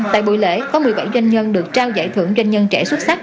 tại buổi lễ có một mươi bảy doanh nhân được trao giải thưởng doanh nhân trẻ xuất sắc